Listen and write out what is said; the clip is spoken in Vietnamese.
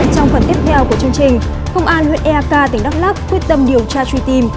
trong phần tiếp theo của chương trình công an huyện eak tỉnh đắk lắc quyết tâm điều tra truy tìm